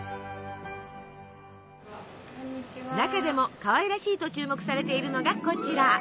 中でもかわいらしいと注目されているのがこちら。